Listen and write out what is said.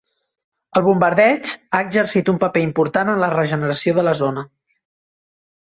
El bombardeig ha exercit un paper important en la regeneració de la zona.